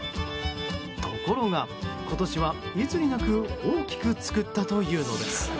ところが今年はいつになく大きく作ったというのです。